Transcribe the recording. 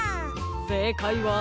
せいかいは。